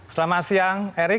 selamat siang erik